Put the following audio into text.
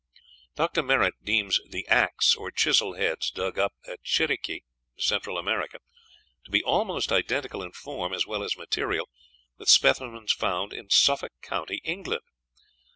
Dr. Merritt deems the axe or chisel heads dug up at Chiriqui, Central America, "almost identical in form as well as material with specimens found in Suffolk County, England."